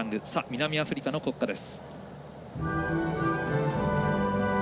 南アフリカの国歌です。